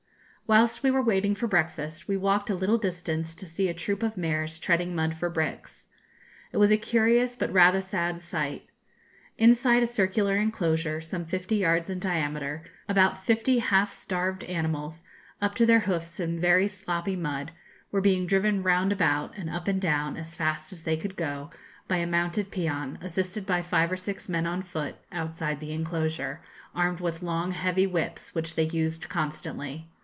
Whilst we were waiting for breakfast, we walked a little distance to see a troop of mares treading mud for bricks. It was a curious, but rather sad sight. Inside a circular enclosure, some fifty yards in diameter, about fifty half starved animals, up to their houghs in very sloppy mud, were being driven round about, and up and down, as fast as they could go, by a mounted peon, assisted by five or six men on foot, outside the enclosure, armed with long heavy whips, which they used constantly.